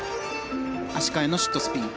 足換えのシットスピン。